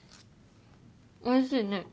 おいしいね。